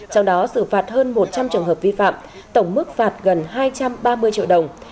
trong đó xử phạt hơn một trăm linh trường hợp vi phạm tổng mức phạt gần hai trăm ba mươi triệu đồng